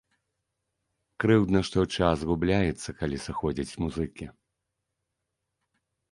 Крыўдна, што час губляецца, калі сыходзяць музыкі.